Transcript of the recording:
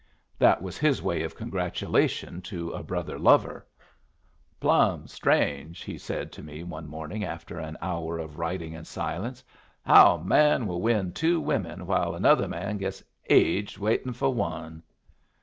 That was his way of congratulation to a brother lover. "Plumb strange," he said to me one morning after an hour of riding in silence, "how a man will win two women while another man gets aged waitin' for one."